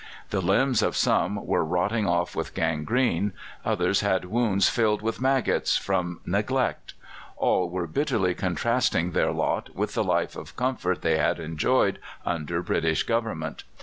The limbs of some were rotting off with gangrene, others had wounds filled with maggots from neglect; all were bitterly contrasting their lot with the life of comfort they had enjoyed under British government.